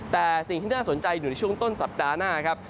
แต่สิ่งที่น่าสนใจอยู่ในช่วงต้นสัปดาห์หน้าครับ